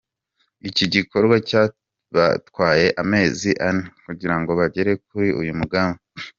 Iki gikorwa cyabatwaye amezi ane kugirango bagere kuri uyu mugambi.